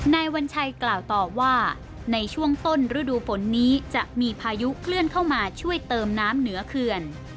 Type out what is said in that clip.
วัญชัยกล่าวตอบว่าในช่วงต้นฤดูฝนนี้จะมีพายุเคลื่อนเข้ามาช่วยเติมน้ำเหนือเขื่อน